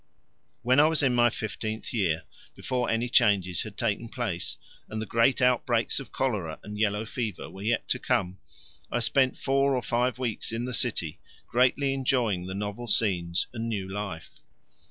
When I was in my fifteenth year, before any changes had taken place and the great outbreaks of cholera and yellow fever were yet to come, I spent four or five weeks in the city, greatly enjoying the novel scenes and new life.